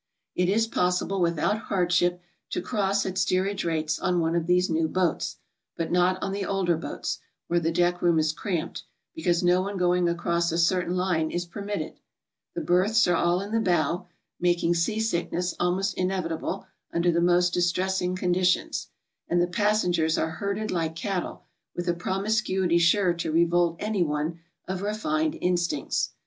It is possible without hardship to cross at stee^ age rates on one of these new boats, but not on the older boats, where the deck room is cramped, be cause no going across a certain line is permitted; the berths are all in the bow, making sea sickness almost inevitable under the most distressing condition s; and the passengers are herded like cattle with a promiscuity sure to revolt any one of refined instincts.